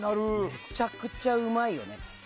めちゃくちゃうまいよね。